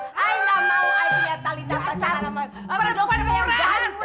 saya nggak mau saya punya talitha pacaran sama dokter